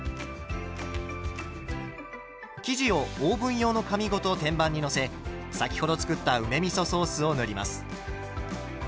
生地をオーブン用の紙ごと天板にのせ先ほど作った梅みそソースを塗ります。